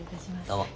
どうも。